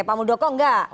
pak muldoko enggak